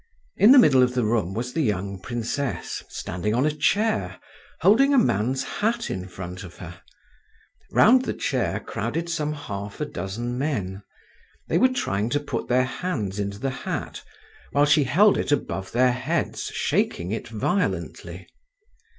In the middle of the room was the young princess, standing on a chair, holding a man's hat in front of her; round the chair crowded some half a dozen men. They were trying to put their hands into the hat, while she held it above their heads, shaking it violently.